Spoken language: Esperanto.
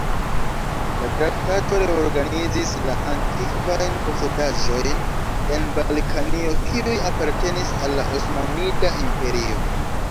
La traktato reorganizis la antikvajn posedaĵojn en Balkanio kiuj apartenis al la Osmanida Imperio.